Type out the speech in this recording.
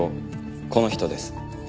この人です。